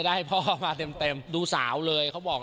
แต่เขาไม่รู้หรอก